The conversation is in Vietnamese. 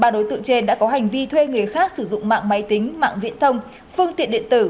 ba đối tượng trên đã có hành vi thuê người khác sử dụng mạng máy tính mạng viễn thông phương tiện điện tử